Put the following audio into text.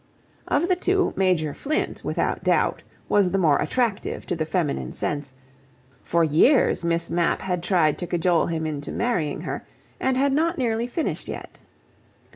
Of the two, Major Flint, without doubt, was the more attractive to the feminine sense; for years Miss Mapp had tried to cajole him into marrying her, and had not nearly finished yet.